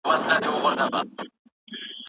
یو پوه او پرهیزګار مشر اړین دی.